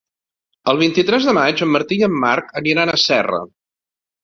El vint-i-tres de maig en Martí i en Marc aniran a Serra.